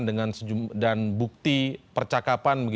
dan bukti percakapan